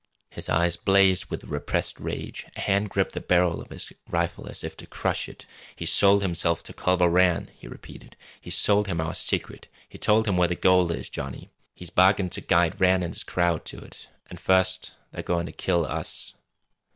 His eyes blazed with repressed rage. A hand gripped the barrel of his rifle as if to crush it. "He's sold himself to Culver Rann!" he repeated. "He's sold him our secret. He's told him where the gold is, Johnny! He's bargained to guide Rann an' his crowd to it! An' first they're goin' to kill _us!